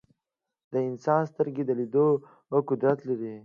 د انسان سترګې د لیدلو قدرت لري.